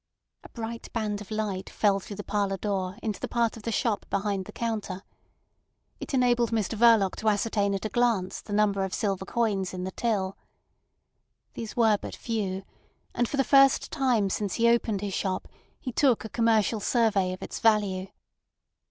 A bright band of light fell through the parlour door into the part of the shop behind the counter. It enabled Mr Verloc to ascertain at a glance the number of silver coins in the till. These were but few; and for the first time since he opened his shop he took a commercial survey of its value.